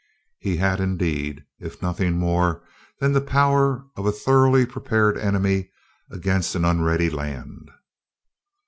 He had indeed if nothing more than the power of a thoroughly prepared enemy against an unready land.